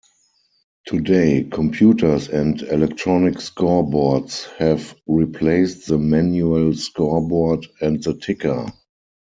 Today, computers and electronic scoreboards have replaced the manual scoreboard and the ticker.